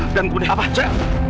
dan kemudian apa saya